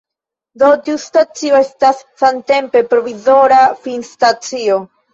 Do, tiu stacio estas samtempe provizora finstacio.